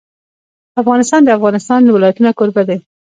افغانستان د د افغانستان ولايتونه کوربه دی.